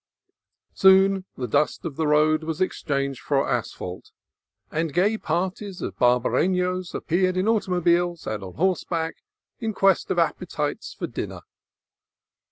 Soon the dust of the road was exchanged for asphalt, and gay parties of Barbarenos appeared in automobiles and on horseback in quest of appetites for dinner.